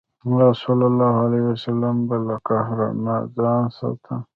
هغه ﷺ به له قهر نه ځان ساته.